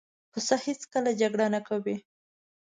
پسه هېڅکله جګړه نه کوي.